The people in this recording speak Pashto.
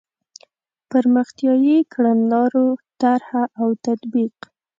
پرمختیایي کړنلارو طرح او تطبیق.